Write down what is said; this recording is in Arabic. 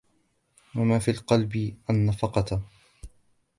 وَمَا فِي الْقَلْبِ النَّفَقَةَ